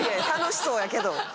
楽しそうやけど。